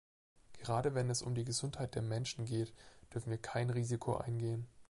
Gerade wenn es um die Gesundheit der Menschen geht, dürfen wir kein Risiko eingehen.